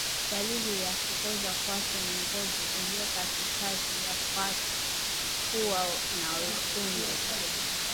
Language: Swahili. Dalili ya kuoza kwato ni ngozi iliyo katikati ya kwato kuwa na wekundu